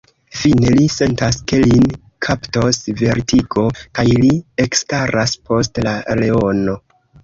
Fine li sentas, ke lin kaptos vertigo, kaj li ekstaras post la leono.